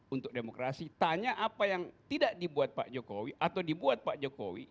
untuk demokrasi tanya apa yang tidak dibuat pak jokowi atau dibuat pak jokowi